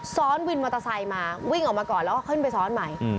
ซ้อนวินมอเตอร์ไซค์มาวิ่งออกมาก่อนแล้วก็ขึ้นไปซ้อนใหม่